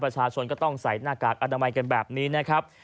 ประชาชนจะต้องใส่หน้ากากอันดำราบแบบนี้นะครับ